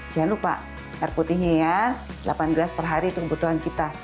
jangan lupa air putihnya ya delapan gelas per hari kebutuhan kita